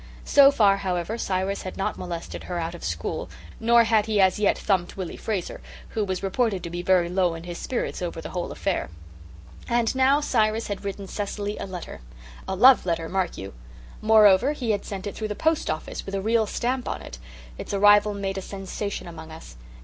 So far, however, Cyrus had not molested her out of school, nor had he as yet thumped Willy Fraser who was reported to be very low in his spirits over the whole affair. And now Cyrus had written Cecily a letter a love letter, mark you. Moreover, he had sent it through the post office, with a real stamp on it. Its arrival made a sensation among us.